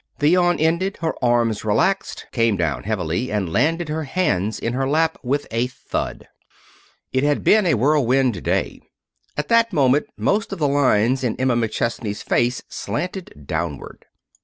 The yawn ended, her arms relaxed, came down heavily, and landed her hands in her lap with a thud. It had been a whirlwind day. At that moment most of the lines in Emma McChesney's face slanted downward.